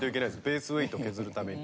ベースウェイト削るために。